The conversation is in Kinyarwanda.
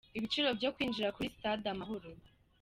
Ibiciro byo kwinjira kuri sitade Amahoro:.